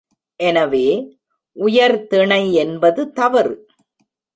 எனவே, உயர்திணையென்பது தவறு.